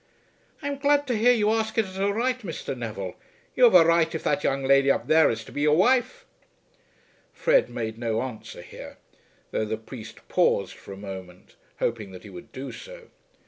"I am glad to hear you ask it as a right, Mr. Neville. You have a right if that young lady up there is to be your wife." Fred made no answer here, though the priest paused for a moment, hoping that he would do so.